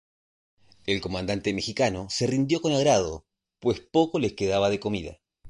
El comandante mexicano se rindió con agrado, pues poco les quedaba de comida.